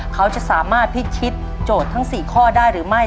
เขาจะสามารถพิชิตโจทย์ทั้ง๔ข้อได้หรือไม่